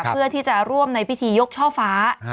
เพื่อที่จะร่วมในพิธียกช่อฟ้า